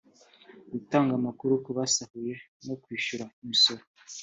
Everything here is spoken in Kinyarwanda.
gutanga amakuru ku basahuye no kwishyura imisoro